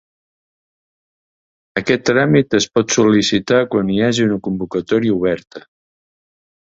Aquest tràmit es pot sol·licitar quan hi hagi una convocatòria oberta.